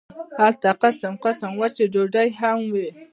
هلته قسم قسم وچې ډوډۍ هم وې.